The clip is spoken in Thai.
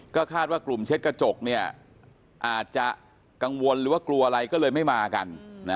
ก็คาดว่ากลุ่มเช็ดกระจกอาจจะกังวลหรือว่ากลัวอะไรก็เลยไม่มากัน